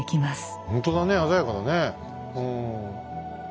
ほんとだね鮮やかだねうん。